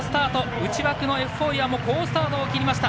内枠のエフフォーリアも好スタートを切りました！